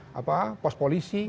ada perusakan pos polisi